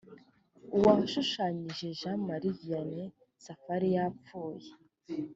uwashushanyije jean marie vianney safari yapfuye.